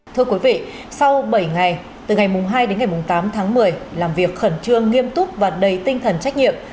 thưa quý vị sau bảy ngày từ ngày hai đến ngày tám tháng một mươi làm việc khẩn trương nghiêm túc và đầy tinh thần trách nhiệm